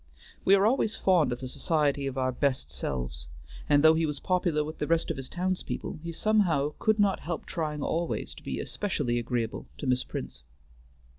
We are always fond of the society of our best selves, and though he was popular with the rest of his townspeople, he somehow could not help trying always to be especially agreeable to Miss Prince.